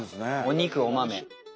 お肉お豆。